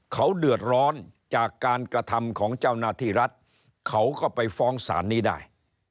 เขาเดือดร้อนจากการกระทำของเจ้าหน้าที่รัฐเขาก็ไปฟ้องศาลนี้ได้